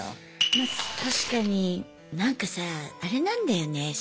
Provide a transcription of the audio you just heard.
ま確かになんかさああれなんだよね